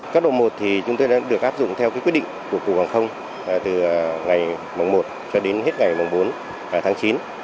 cấp độ một thì chúng tôi đã được áp dụng theo quyết định của cục hàng không từ ngày mùng một cho đến hết ngày mùng bốn tháng chín